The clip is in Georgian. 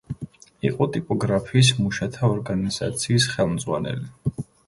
იყო ტიპოგრაფიის მუშათა ორგანიზაციის ხელმძღვანელი.